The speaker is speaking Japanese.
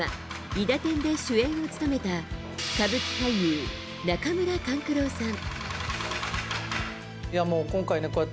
「いだてん」で主演を務めた歌舞伎俳優・中村勘九郎さん。